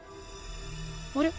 あれ？